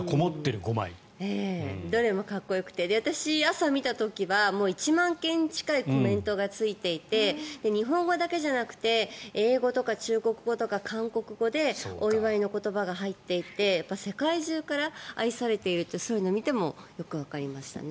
どれもかっこよくて私、朝見た時は１万件近いコメントがついていて日本語だけじゃなくて英語とか中国語とか韓国語でお祝いの言葉が入っていて世界中から愛されているってそういうのを見てもよくわかりましたね。